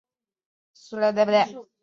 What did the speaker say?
莱苏博。